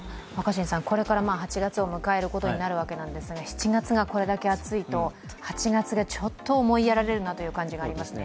これから８月を迎えることになるんですが、７月がこれだけ暑いと、８月が思いやられる感じがありますね。